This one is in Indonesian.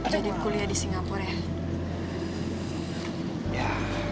jadi kuliah disingapur ya